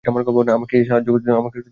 আমাকে সাহায্য করতে দাও, উইল।